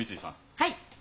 はい。